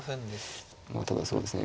まあただそうですね